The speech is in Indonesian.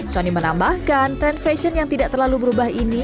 sony menambahkan tren fashion yang tidak terlalu berubah ini